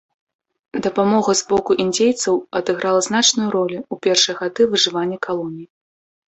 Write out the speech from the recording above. Дапамога з боку індзейцаў адыграла значную ролю ў першыя гады выжывання калоніі.